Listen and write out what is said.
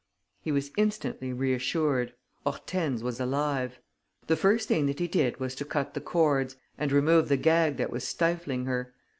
He was instantly reassured: Hortense was alive. The first thing that he did was to cut the cords and remove the gag that was stifling her.